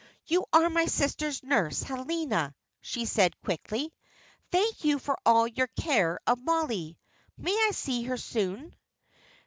"You are my sister's Nurse Helena," she said, quickly. "Thank you for all your care of Mollie. May I see her soon?"